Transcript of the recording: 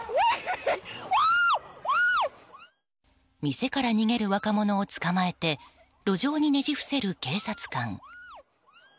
店から逃げる若者を捕まえて路上にねじ伏せる警察官。